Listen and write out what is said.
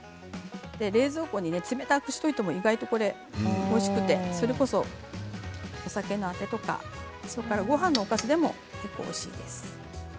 冷蔵庫で冷たくしてもおいしくてそれこそお酒のあてとかごはんのおかずでも結構おいしいです。